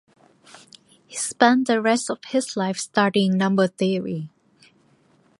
He spent the rest of his life studying number theory.